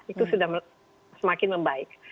itu sudah semakin membaik